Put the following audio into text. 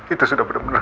itu sudah bener bener